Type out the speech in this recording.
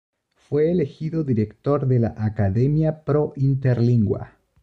Fue elegido director de la "Academia pro Interlingua".